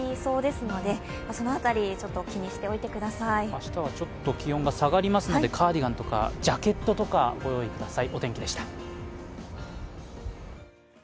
明日はちょっと気温が下がりますのでカーディガンとかジャケットとか、ご用意ください。